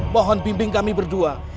mohon bimbing kami berdua